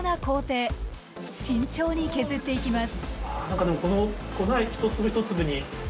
慎重に削っていきます。